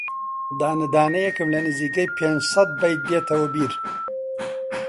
دانە دانەیێکم لە نزیکەی پێنجسەد بەیت دێتەوە بیر